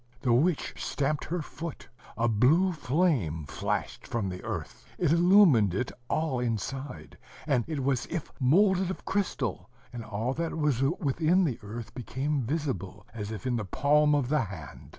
The witch stamped her foot: a blue flame flashed from the earth; it illumined it all inside, and it was as if moulded of crystal; and all that was within the earth became visible, as if in the palm of the hand.